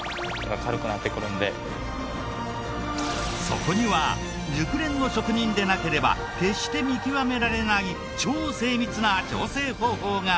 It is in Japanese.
そこには熟練の職人でなければ決して見極められない超精密な調整方法があった。